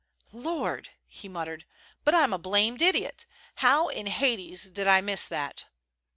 "Lord!" he muttered. "But I'm a blamed idiot. How in Hades did I miss that?"